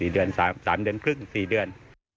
๓เดือนครึ่ง๔เดือน